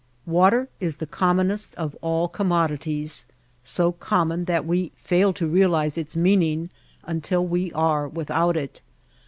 Water is the commonest of all commodities, so common that we fail to realize its meaning until we are without it.